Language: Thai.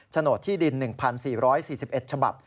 โดดที่ดิน๑๔๔๑ฉบับ